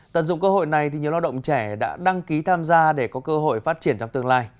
tận dụng cơ hội này nhiều lao động trẻ đã đăng ký tham gia để có cơ hội phát triển trong tương lai